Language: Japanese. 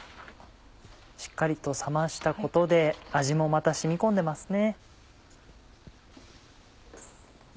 しっかりと冷ましたことで味もまた染み込んでますね。